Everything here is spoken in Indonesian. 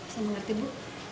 saya mengerti bu